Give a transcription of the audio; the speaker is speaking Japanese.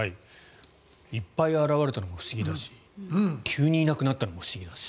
いっぱい現れたのも不思議だし急にいなくなったのも不思議だし。